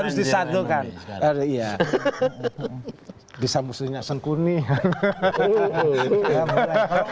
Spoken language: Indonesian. bisa musuhnya sebagian dari mas agus itu yang menyebar maka harus disatukan bisa musuhnya sebagian dari mas agus itu yang menyebar maka harus disatukan